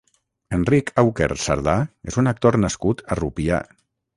Enric Auquer Sardà és un actor nascut a Rupià.